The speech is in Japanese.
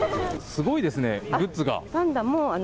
すごいですね、グッズが。